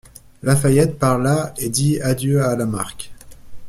Lafayette parla et dit adieu à Lamarque.